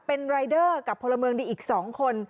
เป็นรายเดอร์กับพลเมืองดีอีก๒คน